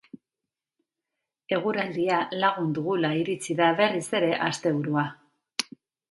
Eguraldia lagun dugula iritsi da berriz ere asteburua.